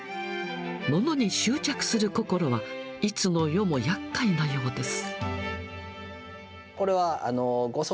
物に執着する心は、いつの世もやっかいなようです。